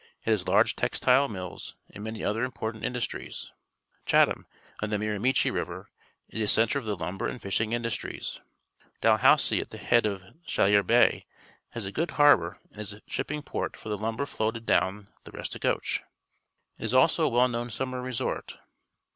It has large textile mills and many other important industries. Chatham, on t he Miramichi JRi^'er, is a centre of t he lumber and fishing indnstrifts. Dnlh.niiaip.^ at. thp hparl of Php leu r Bay, has a go od harbour and is a sliipr ping port for the lumbei^Jloated down the Restigouche. It is also a well know n su mmer resort.